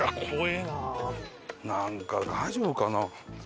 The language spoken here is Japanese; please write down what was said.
なんか大丈夫かな？